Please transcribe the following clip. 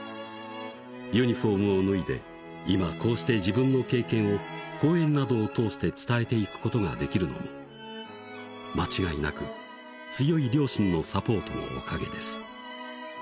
「ユニフォームを脱いで今こうして自分の経験を講演等を通して伝えていく事が出来るのもまちがいなく強い両親のサポートのお陰です」